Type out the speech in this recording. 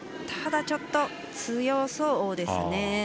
ただ、ちょっと強そうですね。